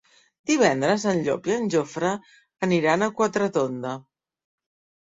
Divendres en Llop i en Jofre aniran a Quatretonda.